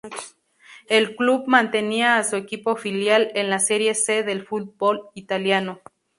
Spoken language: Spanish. El club mantenía a su equipo filial en la Serie C del fútbol italiano.